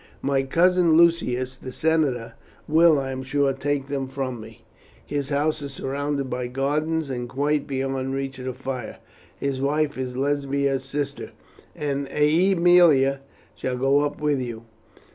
"My cousin Lucius, the senator, will, I am sure, take them for me. His house is surrounded by gardens, and quite beyond reach of fire. His wife is Lesbia's sister, and Aemilia shall go up with you."